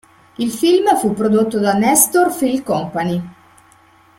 Il film fu prodotto dal Nestor Film Company.